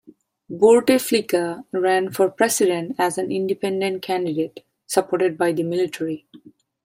Bouteflika ran for president as an independent candidate, supported by the military.